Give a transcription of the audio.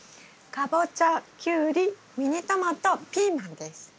カボチャキュウリミニトマトピーマンです。